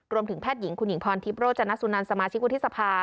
รวมถึงแพทย์หญิงคุณหญิงพรทิพโรจนสุนันสมาชิกวัฒนภาพ